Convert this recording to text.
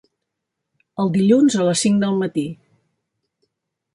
El dilluns a les cinc del matí.